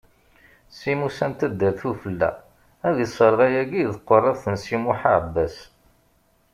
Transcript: Si Musa n taddart ufella, ad isserɣ ayagi deg tqeṛṛabt n Si Muḥ Aɛebbas.